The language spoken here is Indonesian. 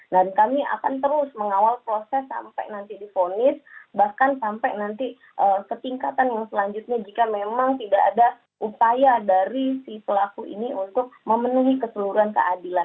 kami akan terus mengawal proses sampai nanti difonis bahkan sampai nanti ketingkatan yang selanjutnya jika memang tidak ada upaya dari si pelaku ini untuk memenuhi keseluruhan keadilan